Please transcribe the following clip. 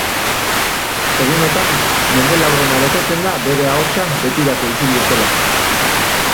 Egunotan, mende laurdena betetzen da bere ahotsa betirako isildu zela.